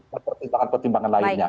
perpiksaan pertimbangan lainnya